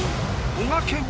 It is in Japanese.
こがけん！